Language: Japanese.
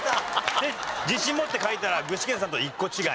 で自信持って書いたら具志堅さんと１個違い。